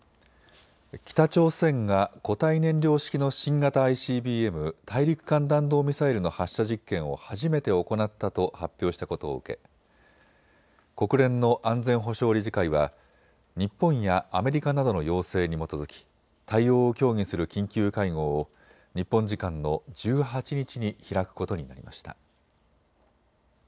北朝鮮が固体燃料式の新型ＩＣＢＭ・大陸間弾道ミサイルの発射実験を初めて行ったと発表したことを受け、国連の安全保障理事会は日本やアメリカなどの要請に基づき対応を協議する緊急会合を日本時間の１８日に開くことになりました。